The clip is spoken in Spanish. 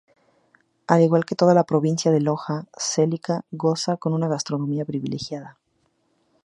Al igual que toda la provincia de Loja, Celica goza de una gastronomía privilegiada.